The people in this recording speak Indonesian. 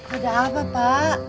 ada apa pak